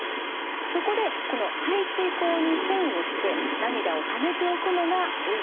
そこでこの排水口に栓をして涙をためておくのが涙点プラグです。